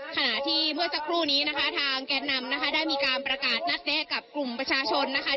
ขณะที่เมื่อสักครู่นี้นะคะทางแก่นนำนะคะได้มีการประกาศนัดแนะกับกลุ่มประชาชนนะคะ